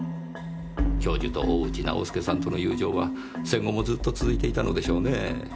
教授と大内直輔さんとの友情は戦後もずっと続いていたのでしょうねぇ。